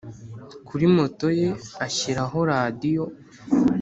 kuri moto ye ashyiraho radiyo